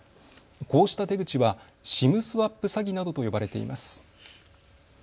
こうした手口はＳＩＭスワップ詐欺などと呼ばれています。